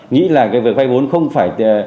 nghĩ là việc vay vốn không phải